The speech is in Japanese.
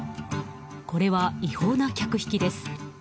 これは、違法な客引きです。